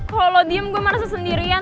kalo lo diem gue merasa sendirian tau